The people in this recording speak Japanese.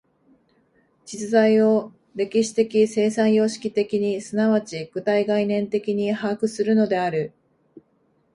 実在を歴史的生産様式的に即ち具体概念的に把握するのである。